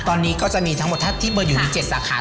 ตอนนี้ก็จะมีทั้งหมดถ้าที่เบอร์อยู่ใน๗สาขา